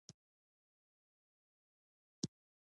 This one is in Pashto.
دو تنه پولیس افسران د پېښې ځای ته رسېږي.